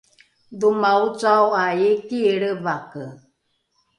dhoma ocao ’a iiki lrevake